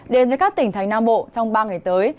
đến với các tỉnh thành nam bộ trong ba ngày tới